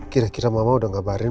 kira kira mama udah ngabarin